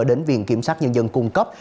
đến viện kiểm sát nhân dân cung cấp